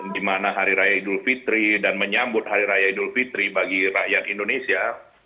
di mana hari raya idul fitri dan menyambut hari raya idul fitri bagi rakyat indonesia